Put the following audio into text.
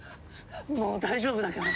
もう大丈夫だから！